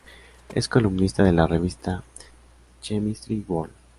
Es columnista de la revista "Chemistry World".